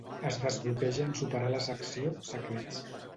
Es desbloqueja en superar la secció "Secrets".